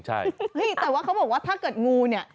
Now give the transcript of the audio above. ใช่แต่ว่าเขาบอกว่าถ้าเกิดงูเนี่ย